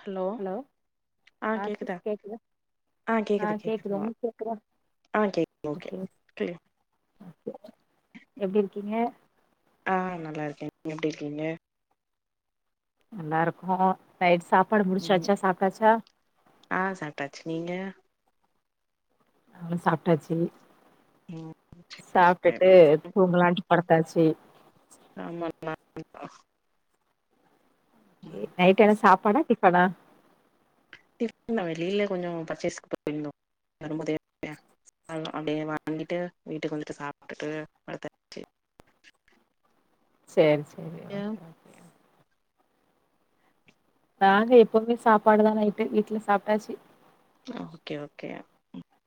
Hello ஆ கேக்குதா ஆ கேக்குது கேக்குது ஆ கேக்குது மா ஓகே எப்படி இருக்கீங்க ஆ நல்லா இருக்கே நீங்க எப்படி இருக்கீங்க நல்லா இருக்கோ நைட் சா உம் ஆ சாட்டாச்சு நீங்க அவ்வளோ சாப்ட்டாச்சு ம் சேரி சாப்பிட்டுட்டு சேரி துங்கலாட்டு படத்தாச்சு [unintelligible] பட கீக்கடா வெளியில கொஞ்ச பர்ச்சேஸ்க்கு போயிருந்தோ வரும்போ தே அப்படியே வாங்கிட்டு வீட்டுக்கு வந்துட்டு சாப்பிட்டுட்டு படுத்தாச்சு சரி [unintelligible] நாங்க எப்பவுமே சாப்பாடு தா நைட்டு வீட்டுல சாப்ட்டாச்சு ஓகே ஓகே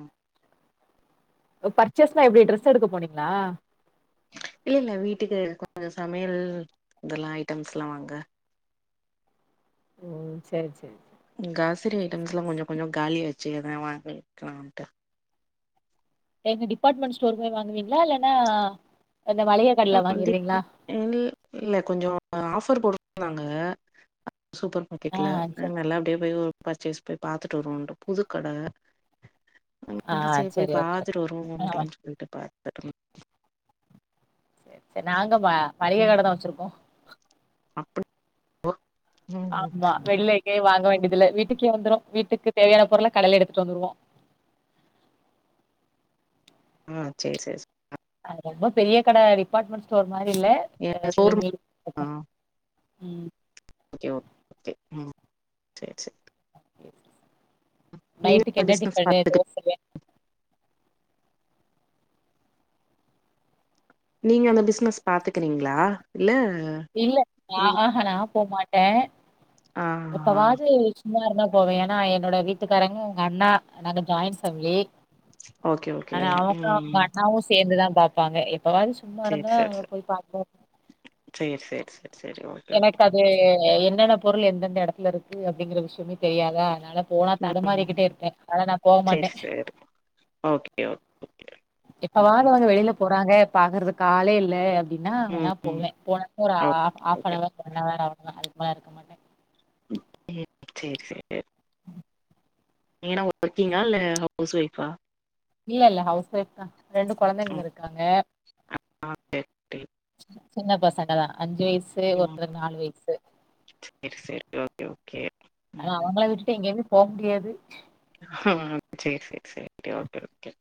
ம் பர்ச்சேஸ்ன எப்படி டிரரெஸ் எடுக்க போனீங்களா இல்ல இல்ல வீட்டுக்கு கொஞ்ச சமையல் இதெல்லா ஐட்டம்ஸ் எல்லா வாங்க ஓ சரி சரி காசரி ஐட்டம்ஸ் எல்லா கொஞ்சம் கொஞ்ச காலி ஆச்சு அதா வாங்கிக்கலாட்டு எங்க டிபார்ட்மெண்ட் ஸ்டோர் போய் வாங்குவீங்களா இல்லன்னா இந்த மளிக கடைல வாங்கிருவீங்களா [unintelligible] ஆ இல்ல கொஞ்ச ஆஃபர் போடு நாங்க சூப்பர் ஆ மார்க்கெட்ல சரி நல்லா அப்படியே போய் பர்ச்சேஸ் போய் பாத்துட்டு வரும் புதுக்கட ஆ சரி போய் ஓகே பாத்துட்டு வருவம் ஆ அப்படின்னு சொல்லிட்டு பா [unintelligible] சரி சரி நா ம் மள்ளிககட தா வச்சிருக்கோ அப்படி ஓ ஆமா வெளில எங்கயு வாங்க ம் வேண்டியதுல வீட்டுக் வந்துரு வீட்டுக்கு தேவையான பொருள கடைல எடுத்துட்டு வந்துருவோ ஆ செரி செரி அது ரொம்ப பெரிய கட டிபார்ட்மெண்ட் ஸ்டோர் அது மாதிர இல் ஏ கொஞ்ச ஷோரூம் மீடி ஆ [inaudible] உம் ஓகே ஓ ஓகே ம் சரி சரி நைட்டுக்கு அந்த என்ன பிசினஸ் டிபண்னு பாத்துக்கு தோசயா நீங்க அந்த பிசினஸ் பாத்துக்கிறீங்களா இல்ல இல்ல ஆ ம் ஆ னா போமாட்டே ட ஆ ஆ சும்மா இருத்தா போவே ஏன்னா என்னோட வீட்டுக்காரங்க எங்க அண்ணா நாங்க ஜாயின் பேமிலி ஓகே ஓகே ஆனா அவங்க அவங்க ம் அண்ணாவு சேர்ந்துதா பாப்பாங்க எப் பவாது சும்மா சேரி இருந்தா சேரி போய் பாப்போ ச எனக்கு அது அ என்னென்ன பொருள் எந்தெந்த எடத்துல இருக்கு அப்டிங்கிற விஷயமே தெரியாதா அதனால போனா ம் தடுமாறிக்கிட்டே இருப்பே அதா நா போ மாட்ட சேரி சேரி ஓகே ஓகே எப்பவாது அவங்க வெளில போறாங்க பாக்கறதுக்காலே இல்ல அப்டின்னா ம் வேணா ம் போவே போனா ஒரு ஆ ஓகே ஆ ஓகே ஒன் அவர் அவ்ள தா அதுக்கு மேல இருக்க மாட்ட ம் ம் செர செரி நீங்க என்ன ஒர்க்கிங்கா இல்ல ஹவுஸ் ஒய்ஃபா இல்ல இல்ல ஹவுஸ் வைஃப் தா ரெண்டு ம் கொழந்தைங்க இருக்காங்க ஆ, சரி சரி சின்ன பசங்க தா அஞ்சு வயசு சு ஒருத்தனுக்கு நாலு வயசு செரி செரி ஓகே ஓகே அதா அவங்கள விட்டுட்டு எங்கயுமே போ முடியாது சேர் சேர் செரி ஓகே ஓகே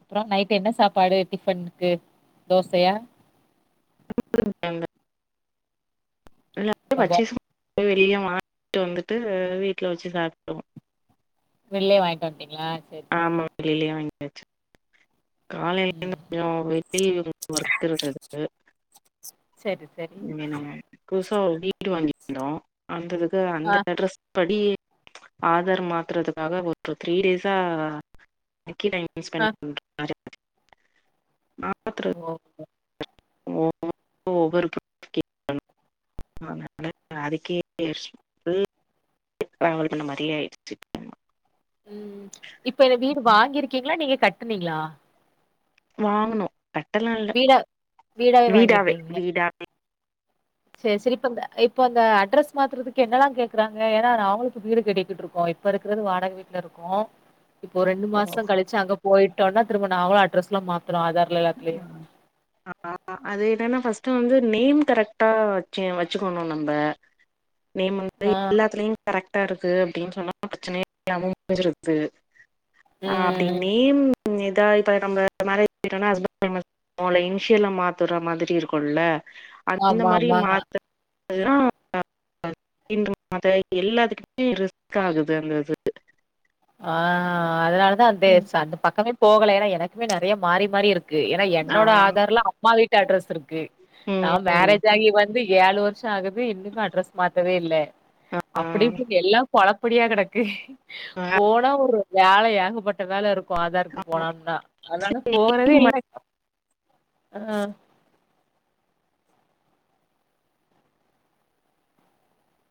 அப்றோ நைட் என்ன சாப்பாடு டிஃபனுக்கு தோசையா [unintelligible] [unintelligible] பச்செசு ய வெளிய வாங்கிட்டு வந்துட்டு வீட்ல வச்சு சாப்டுவோ வெள்ளைய வாங்கிண்டு வண்டிங்ளா செர் செரி எச் காலைல இருந்து கொஞ்சோ வெளில ஒர்க் இருந்தது சரி சரி [unintelligible] சோ வீடு வாங்கியிருந்தோ அந்ததுக்கு அ ஆ அந்த அட்ரெஸ் படி ஆதார் மாத்துறதுக்காக ஒரு த்ரீ டேஸா ஆ [unintelligible] [inaudible] ஓ ஒவ்வொரு ஒவ்வொரு கே [inaudible] அதனால அதுக்கே ஃபுல் [inaudible] ட்ராவல் பண்ண மாரியே ஆய்டுச்சு ம் இப்ப இந்த வீடு வாங்கிருக்கீங்களா நீங்க கட்டுனீங்ளா வாங்குணோ கட்டலா இல்ல வீடா வீடாவே வீடாவே சேரி சேரி இப்ப இப்ப அந்த அட்ரஸ் மாத்துறதுக்கு என்னெல்லா கேக்குறாங்க ஏன்னா நாங்களு இப்ப வீடு கட்டக்கிட்டு இருக்கோ இப்ப இருக்கிறது வாடக வீட்டுல இருக்கோ இப்போ ரெண்டு மாச கழிச்சு அங்க போய்ட் டோன திரும்ப நாங்களு அட்ரஸ்லா மாத் அது என்னன்னா ஃபர்ஸ்ட் வந்து நேம் கரெக்டா வச்சு வச்சுக்கணு நம்ம நேம் வந்து ஆ எல்லாத்துலியு கரெக்டா இருக்கு அப்டின்னு சொன்னா ப்ரச்சனயே இல்லாம முடிஞ்சிருது அ அப்டி ம் நேம் ம் இதா இதா நம்ம மேரே ஜ் ஆனா ஹஸ்பண்ட் நேம [inaudible] இன்ஷியலா மாத்துற மாரி இருக்கும்ல்ல அந்த ஆமா மாரி ஆமா மாத்த எதுனா [inaudible] எல்லாத்துக்குமே ரிஸ்க் ஆகுது அந்த இது ஆ அதனால தா [unintelligible] அந்த பக்கமே போகல ஏன்னா எனக்குமே நெறைய மாறி மாறி இருக் கு ஏன்னா ஆ என்னோட ஆதார்ல அம்மா வீட் டு அட்ரஸ் இருக் கு நா ம் ம் மேரேஜ் ஆகி வந் து ஏழு வர்ஷோ ஆகுது இன்னுமே அட்ரஸ் மாத்தவே இல்ல அப்டி ஆ இப்டி எல்லா பொழப்புடியா கெடக்கு போன ஒரு வேல ஏகப்பட்ட வேல இருக் க்கு ஆதார்க்கு போனாம்னா அதனால ஆமா போகறதே இல்ல இப்ப ஆ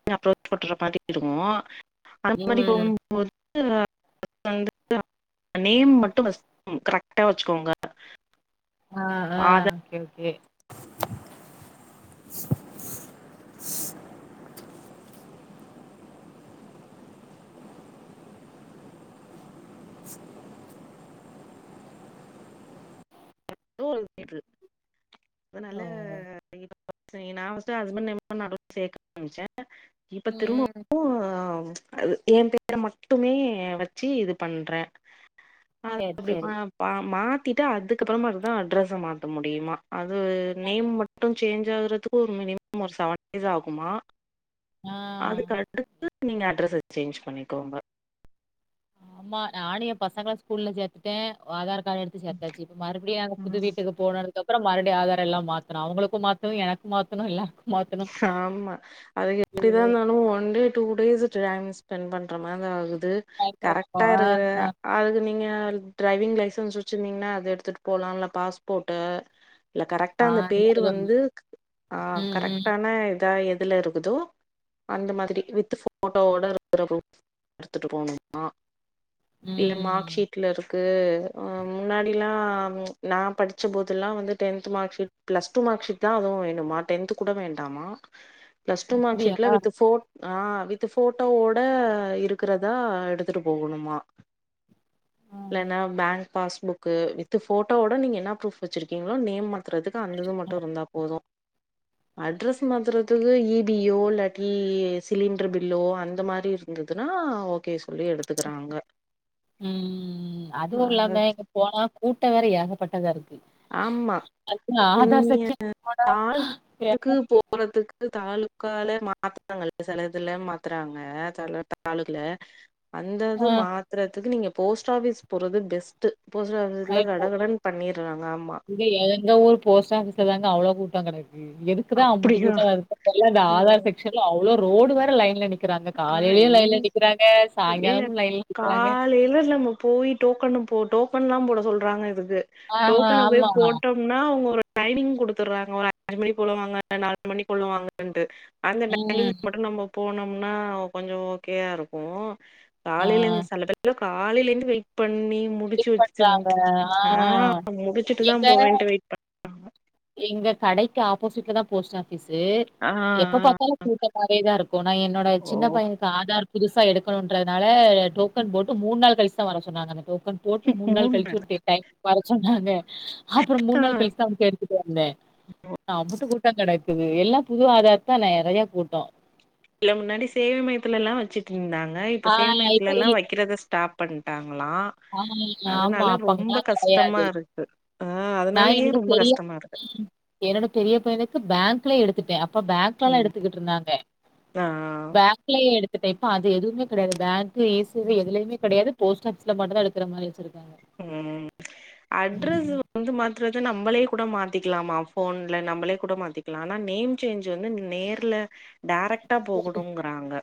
[unintelligible] அப்ரோச் [inaudible] மாரி இருக்கு அந்த மாரி ம் போகும்போது [inaudible] நேம் மட்டு பஸ் [inaudible] கரெக்டா வச்சுக்கோங்க அ அ ஆதார் ஓகே ஓகே [inaudible] [inaudible] [inaudible] அதனால ஓ [inaudible] [inaudible] நா வந்து ஃபஸ்ட் ஹஸ்பண்ட் நேம் [inaudible] இப்ப ம் ம் திரும்பவு அது எ பேர மட்டுமே வச்சு இது பண்றே அது சேரி சேரி அப்படிதா பா மா துட்டு அதுக்கப்புறமா இரு அட்ரஸ மாத்த முடியுமா அது நேம் மட்டும் சேஞ்ச் ஆகுறதுக்கு ஒரு மினிமம் ஒரு செவன் டேஸ் ஆகுமா ஆ அதுக்கடுத்து நீங்க அட்ரஸ சேஞ்ச் பண்ணிக்கோங்க ஆம்மா நானு எ பசங்கள ஸ்கூல்ல சேத்துட்டே ஆதார் நாங்க எடுத்து சாப்டாச்சு இப்ப மறுபடியு அங்க புது ம். வீட்டுக்கு போனது அதுக்கப்பறோ மறுடி ஆதாரெல்லா மாத்தணு அவுங்களுக்கு மாத்தணு எனக்கு மாத்தணு எ ஹாமா அது எப்டிதாருந்தாலு one day two days time spend பண்ற மாரி ஆகு டு ஆ கரெக்டா இருக்குற ஆ, அதுக்கு நீங்க ஆ டிரைவிங் லைசன்ஸ் வச்சிருந்தீங்கன்னா அத எடுத்துட்டு போகலாம் இல்ல பாஸ்போர்ட்டு இல்ல கரெக்டா ஆ, அந்த பேர் ஏதாவது ஒண்ணு. வந்து ஆ ம் கரெக் ம் தா இதா எதுல இருக்குதோ அந்த மாதிரி வித் ஃபோட்டோவோட இருக்குறது எடுத்துட்டு போணுமா இல்ல ம் மார்க்க்ஷீட்ல இருக் க்கு ஆ முன்னாடிலா நா படிச்ச போதுல்லா வந்து tenth mark sheet plus two mark sheet தா அதுவு வேணுமா டென்த்து கூட வேண்டாமா பிளஸ் டூ மார்க் அப்படியா ஷீட்ல வித் ஃபோர் ஆ வித் ஃபோட்டோவோட இருக்குறதா எடுத்துட்டு போகணுமா இல்லன்னா பேங்க் பாஸ்புக்கு வித் ஃபோட்டோவோட நீங்க என்ன ப்ரூஃப் வச்சுருக்கீங்களோ நேம் மட் த்துறதுக்கு அந்த இது மட்டு இருந்தா போது அட்ரஸ் மாத்துறதுக்கு இ பி ஓ இல்லாட்டி சிலிண்டர் பில்லோ அந்த மாரி இருந்துதுன்னா ஓகே சொல் ம் ம் ம் அதுவும் இல்லாம இங்க போனா கூட்டம் வேற ஏகப் பட்டதா இருக் ஆமா நீங்க [inaudible] செக்ஷன் துக்கு போறதுக்கு தாளு உக்கால மாத்துறாங்க சில இதுல மாத்துறாங்க சில தாலுக்கால அந்தது போனா மாத்திரத்துக்கு நீங்க போஸ்ட் ஆபீஸ் போட்றது பெஸ்ட்டு போஸ்ட் ஆபீஸ்ல கட கடன் பண்ணிறாங்க இது எங்க ஊர் போஸ்ட் ஆஃபிஸ்ல தாங்க அவ்வளவு கூட்டம் கிடக்கு எக்குதான் அப்பட்டு அப்படியா கூட்டா வருதோ தெரியல இந்த ஆதார் செக்ஷன்ல அவ்வளோ ரோடு வேற லைன்ல நிக் நிக்கிறாங்க ஆ காலையிலயு இங்க லைன்ல நிக்கிறாங்க இல்ல சாயங்காலமு லைன்ல நிக்கிறாங்க டோக்கன் போ டோக்கன் எல்லாம் போட சொல்றாங்க இதுக்கு ஆ டோக்கன் போய் ஆமா போட்டோம்னா அவங்க ஒரு ட்ரைனிங் குடுத்துட்றாங்க ஒரு அஞ்சு மணி போல வாங்க நாலு மணிபோல வாங்கன்ட்டு ம் [inaudible] போனம் ன்னா கொஞ்சோ ஓகேயாருக்கோ ஆ [inaudible] காலைல இருந்து வெய்ட் பண்ணி முடிச்சு செக் வெச்சு பண்றாங்க ஆ [inaudible] ஆஹ் முடிச்சுட்டு தா எங்க போவேன்ட்டு வெயிட் பண் [inaudible] எங்க கடைக்கு ஆப்போசிட்ல தா போஸ்டா பிசே ஆ எப்ப ஆ பாத்தாலு கூட்டமாவேதாருக்கோ நா என்னோட ஓ சின்ன பையனுக் ஆதார் புதுசா எடுக்கனுன்றனால டோக்கன் போட்டு மூண் நாள் கலிஸ் த்தா வர சொன்னாங்க அந்த டோக்கன் போட்டு மூணு நாள் கழிச்சு ஒரு டே டைம் [unintelligible] [unintelligible] அப்புறோ மூண் நேரமா நாள் கழிச் தா தேடிக்கிட்டே வந்த [unintelligible] ட்டோ கெடக்குது எல்லா புது ஆதார்தா நெறையா கூட்டோ இல்ல முன்னாடி சேவை மையத்துலெல்லா வச்சுட் ந்தாங்க இப்ப ஆ இப்ப சேவமயத்லெல்லா இ வைக்கிறத ஸ்டாப் பண்ட்டாங்ளா ஆ ஆமா. அதனால அப்ப ரொம்ப அங்கலாம் கெடையாது. கஸ்டமாருக்கு ஆ நான் அதனாலயே என்னோட ரொம்ப பெரிய கஸ்டமாருக்கு குலே எடுத்துட்டே அப் அப்ப பேங்க்லலா எடுத்துக்கிட்ருந்தாங்க ஆ பேங்க்ல எடு த்துட்டே இப்ப அது எதுவுமே கெடையாது பேங் இங்கு இ சேவை எதுலையுமே கெடையாது போஸ்ட் ஆஃபிஸ்ல மட்டு தா எடுக்குற மாரி வச்சுருக் ம் அட்ரஸ் வந்து மாத்துரது நம்மளே கூட மாத்திக்கலாமா போன்ல நம்மளே கூட மாத்திக்கலா ஆனா நேம் சேஞ்ச் வந்து நேர்ல டேரக்ட்டா போகணுங்குறாங்க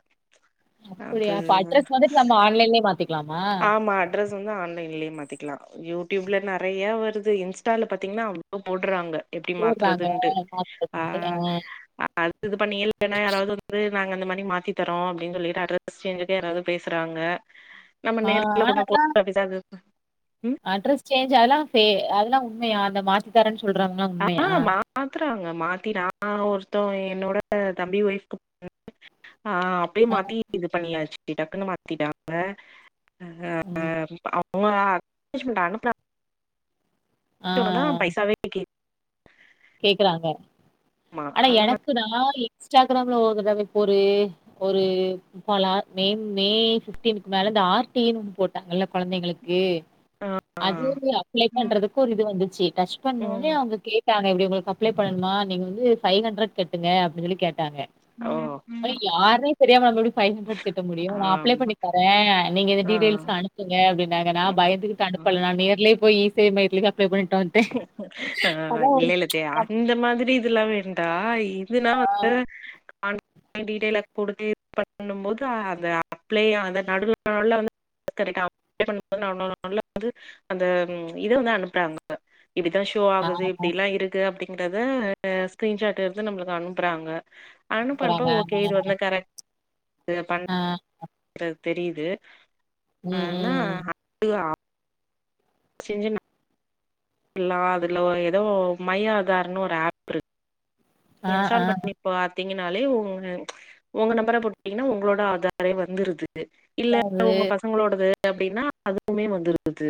ச்ச் அப்படியா? அது அப்ப அட்ரஸ் வந்துட்டு நம்ம ஆன்லைன்லயே மாத்திக்கலாமா? ஆமா அட்ரஸ் வந்து ஆன்லைன்லே மாத்திக்கலா யூடியூப்ல நறையா வருது இன்ஸ்டால பாத்தீங்கன்னா அவ்ளோ போடுறாங்க எப்டி போடுறாங்க. மாத்துறதுண்டு ஆ மாத்துறதுன்ட்டு. அது இது பண்ணீயே இல்லனா யாராவது ஒருத்தரு நாங்க அந்த மாரி மாத்தி தரோ அப்டின் சொல்லிட்டு அட்ரஸ்சேஞ்சுக்கு யாராவது பேசுறாங்க நம்ம நேர்ல கூட [unintelligible] அ அட்ரஸ்சே சு அதெல்லா ஃபே அதெல்லா உண்மயா அந்த மாத்தித்தரன் சொல்றாங்ளா ஆ உண்மையா மாத்துறாங்க மாத்தி நா ஒருத்தவ என்னோட தம்பி ஒயிஃப் [unintelligible] ஆ அப்டியே ஆ மாத்தி இது பண்ணியாச்சு த்தி டக்குன்னு மாத்திட்டாங்க [unintelligible] உங்க [unintelligible] அனுப்புனா ஆ சோனதா பைசாவே [unintelligible] கேக்குறாங்க ஆனா அந்த மாரி எனக்குதா ஏ இன்ஸ்டாகிராம்ல ஒருதவக்கி ஒரு ஒரு இப்பாலா மே மே ஃபிப்டீனுக்கு மேல இந்த ஆர்டீன்னு போட்டாங்கல்ல கொழந்தைங்களுக்கு ஆ அது வந்து அப்ளே பண்றதுக்கு ஒரு இது வந்து டச் பண்ணோனே ம் அவுங்க கே ட்டாங்க எப்டியோ உங்களுக்கு அப்ளே பண்ணணுமா நீங்க வந்து ஃபைஹன்ரட் கட்டுங்க அப்டீஞ்சொல்லி கேட்டாங்க ஓ ஆனா யார்னே தெரியாம நம்ம எப்டி ஃபைஹண்ரட் கெட்ட முடியு நா அப்ளே ஆமா. பண்ணித்தரே நீங்க இந்த ஆ. டீட்டேல்ஸ்லா அனுப்புங்க அப்டின்னாங்க நா ம். பயந்துகிட்டு ம். அனுப்பல நா நேர்லே போயி இ சேவை மையத்துலதா அப்ளே பண்ணீட்டுவன்டே ஆ இல்ல இல்ல [inaudible] தே அந்த மாதிரி இதுல்லா வேண்டா ஆய் [unintelligible] [unintelligible] வந்து அந்த இது வந்து அனுப்றாங் க இப்டிதா ஷோ ஆ ஆகுது இப்டிலா இருக்கு அப்டி ங்கரத ஸ்கரீன்ஷாட் எடுத்து நம்ளுக்கு அனுப்புறாங்க அனுப்ப அனுப்ப சூப்பராங்க. ஓகே இது வந்து கரெட் து பண் ஆ. றத் தெரீது ம், ஆனா ம். [unintelligible] செஞ்சுன ல்லா அதுல ஏதோ மை ஆதார்ன்னு ஒரு ஆப் இருக் ஆ, ஆ. இன்ஸால் பண்ணிப்பாத் தீங்கனாலே உங் உங்க நம்பர போட்டீங்கனா உங்களோட ஆதாரே வந்துருது இல்ல அதாவது உங்க பசங்களோடது அப்டின்னா அதுக்குமே வந்துருந்தது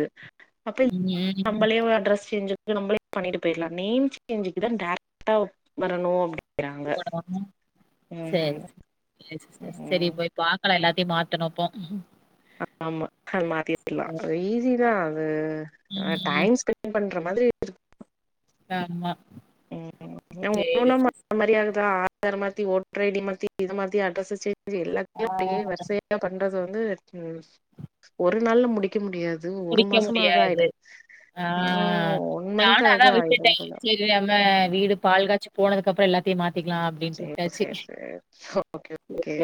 அப்ப ம், ம். நம்பளே ஒரு அட்ரஸ் செஞ்சு நம்மளே பண்ணிட்டு போயிடலா நேம் சேஞ்சுக்கு தா டாரெக்ட்டா வரணு அப்டி [unintelligible] சரி [unintelligible] சிஸ்டர் சரி ம் பாக்கலா போய் எல்லாத் த்தே மாத்தனும்போ ஆமா ஆமா தேட்டுலா அ ஈசி ஜாது ஆனா ம். டைம் ஸ்பெண்ட் பண்ற மாதிரி இரு [inaudible] ஆமா ம் ஓன்னு சரி ஒண்ணா மா சிஸ். [inaudible] மாரியா ஆதார் மாத்தி ஓட்டர் ஐ டி மாத்தி இது மாத்தி அட்ரஸ் சேஞ் ஆ. எல்லாத்தையு அப்டியே வரிசையா பண்றது வந்து ம் ஒரு நாள்ல முடிக்க முடியாது அது ஒரு குடிக்க மாசமா அது முடியாது. ஆய்டு ஆ ஒன் மந்த்து அதா ஆய்டும் போல ஆ வீடு பால் காச்சு போனதுக்கப்பற எல்லத்தையு மாத்து ச சரி சரி okay okay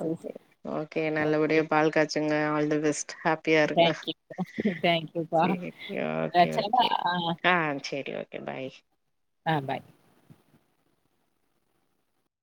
okay okay okay. நல்லபடியா பால் காய்ச்சுங்க ஆல் [unintelligible] ஹாப்பியா இருங்க தேங்க் யூ. தேங்க் யூப்பா. ச ஓகே ஓகே ஆ சரி ஓகே பாய் ஆ பாய்.